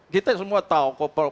kita semua tahu